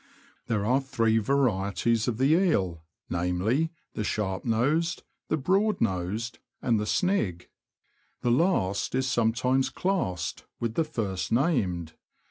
There are three varieties of the eel, namely, the Sharp nosed, the Broad nosed, and the Snig ; the last is sometimes classed with the first named.